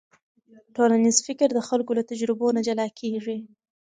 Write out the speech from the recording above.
ټولنیز فکر د خلکو له تجربو نه جلا کېږي.